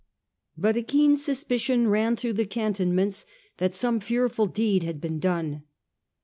But a keen suspicion ran through the can tonments that some fearful deed had been done.